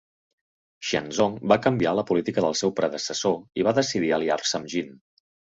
Xianzong va canviar la política del seu predecessor i va decidir aliar-se amb Jin.